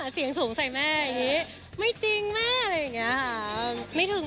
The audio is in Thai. เสียงสูงใส่แม่อย่างนี้ไม่จริงแม่อะไรอย่างนี้ค่ะ